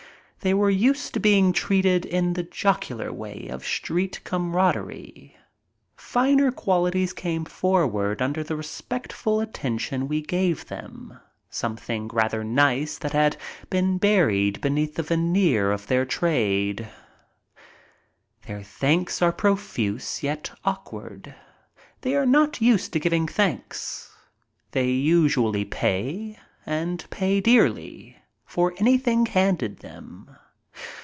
They were used to being treated in the jocular way of street comradery. Finer qualities came forward under the respectful attention we gave them, something rather nice that had been buried beneath the veneer of their trade. A MEMORABLE NIGHT IN LONDON 75 Their thanks are profuse, yet awkward. They are not used to giving thanks. They usually pay, and pay dearly, for anything handed them.